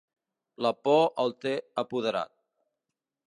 La por el té apoderat.